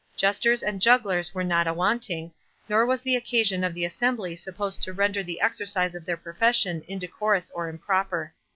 Jesters and jugglers were not awanting, nor was the occasion of the assembly supposed to render the exercise of their profession indecorous or improper.